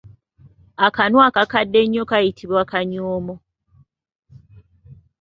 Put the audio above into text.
Akanu akakadde ennyo kayitibwa Akanyoomo.